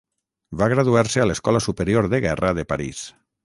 Va graduar-se a l'Escola Superior de Guerra de París.